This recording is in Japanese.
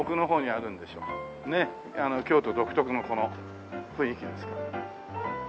京都独特のこの雰囲気ですから。